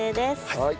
はい。